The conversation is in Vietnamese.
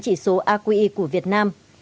chỉ số aqi của việt nam